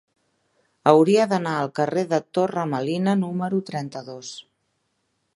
Hauria d'anar al carrer de Torre Melina número trenta-dos.